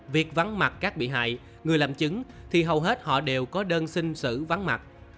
việc vắng mặt các bị hại người làm chứng thì hầu hết họ đều có đơn xin xử vắng mặt